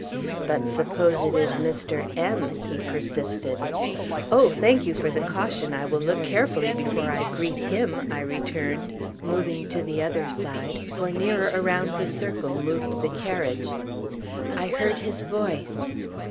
"But suppose it is Mr. M ?" he persisted. "Oh, thank you for the caution! I will look carefully before I greet him!" I returned, moving to the other side, for nearer around the circle moved the carriage. I heard his voice.